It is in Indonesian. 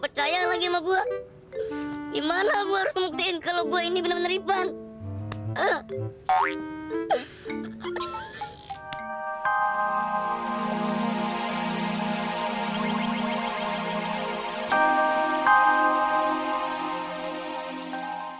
bayar lagi mau gua gimana gua mungkin kalau gue ini bener bener iban ah ah ah ah ah ah